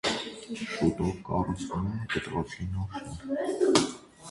Շուտով կառուցվում է դպրոցի նոր շենքը։